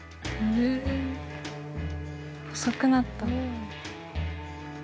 細くなった。